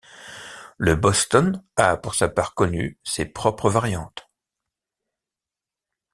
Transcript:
Le boston a pour sa part connu ses propres variantes.